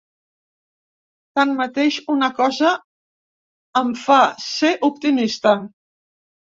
Tanmateix, una cosa em fa ser optimista.